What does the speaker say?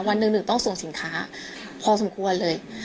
วันหนึ่งหนึ่งต้องส่งสินค้าพอสมควรเลย